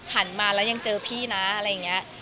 หันมาแล้วยังเจอพี่นะอะไรอย่างนี้